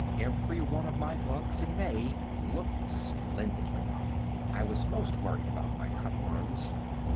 Every one of my bugs in May looked splendidly. I was most worried about my cut worms.